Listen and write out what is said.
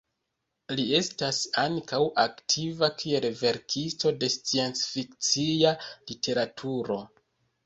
Li estas ankaŭ aktiva kiel verkisto de sciencfikcia literaturo.